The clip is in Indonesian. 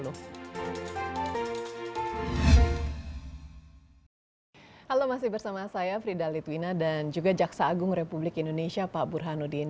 halo masih bersama saya fridhali twina dan juga jaksa agung republik indonesia pak bur hanudin